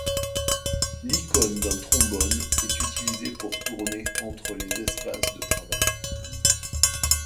L'icône d'un trombone est utilisée pour tourner entre les espaces de travail.